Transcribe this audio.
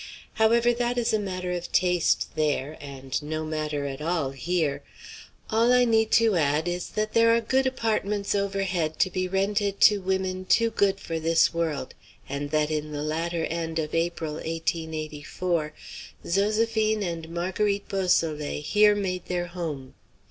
However, that is a matter of taste there, and no matter at all here. All I need to add is that there are good apartments overhead to be rented to women too good for this world, and that in the latter end of April, 1884, Zoséphine and Marguerite Beausoleil here made their home.